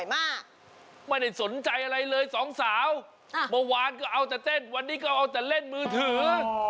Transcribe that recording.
เมื่อวานก็เอาจะเต้นวันนี้ก็เอาจะเล่นมือถือ